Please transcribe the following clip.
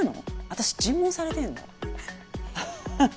私尋問されてるの？